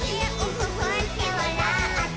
ふっふってわらって」